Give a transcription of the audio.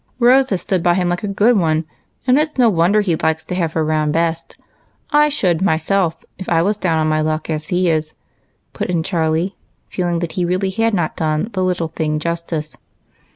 " Rose has stood by him like a good one, and it 's no wonder he likes to have her round best. I should myself if I was down on my luck as he is," put in Charlie, feeling that he really had not done " the little thing " justice.